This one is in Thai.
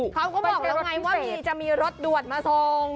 เขาก็บอกแล้วไงว่ามีจะมีรถด่วนมาส่ง